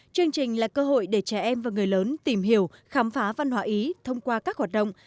chương trình là cơ hội để trẻ em và người lớn tìm hiểu khám phá văn hóa ý thông qua các hoạt động